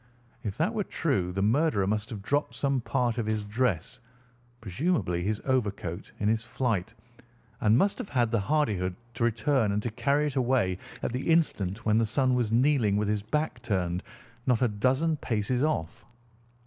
If that were true the murderer must have dropped some part of his dress, presumably his overcoat, in his flight, and must have had the hardihood to return and to carry it away at the instant when the son was kneeling with his back turned not a dozen paces off.